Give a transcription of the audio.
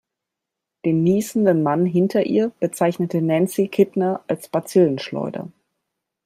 Den niesenden Mann hinter ihr bezeichnete Nancy Kittner als Bazillenschleuder.